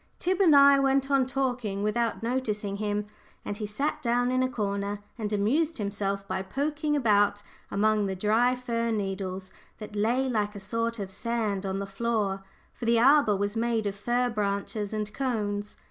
Tib and I went on talking without noticing him, and he sat down in a corner, and amused himself by poking about among the dry fir needles that lay like a sort of sand on the floor, for the arbour was made of fir branches and cones.